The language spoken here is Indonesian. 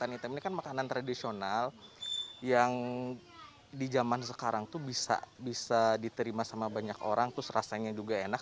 ikan hitam ini kan makanan tradisional yang di zaman sekarang tuh bisa diterima sama banyak orang terus rasanya juga enak